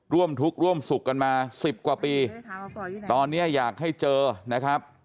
ร่วมทุกข์ร่วมสุขกันมาสิบกว่าปีตอนนี้อยากให้เจอนะครับ